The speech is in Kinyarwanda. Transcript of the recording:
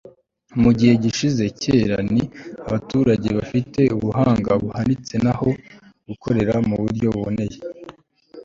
mu gihe gishyize kera ni abaturage bafite ubuhanga buhanitse naho gukorera mu buryo buboneye